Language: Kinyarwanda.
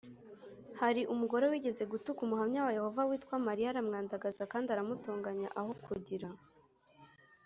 hari umugore wigeze gutuka umuhamya wa yehova witwa maria aramwandagaza kandi aramutonganya aho kugira